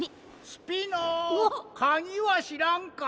・スピノかぎはしらんか？